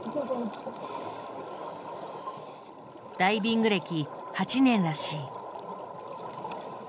ダイビング歴８年らしい。